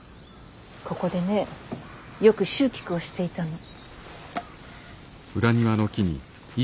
ここでねよく蹴鞠をしていたの。